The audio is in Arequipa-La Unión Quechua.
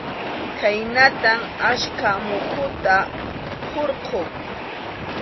Khaynatam achka muhuta hurquq.